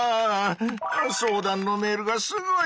相談のメールがすごい！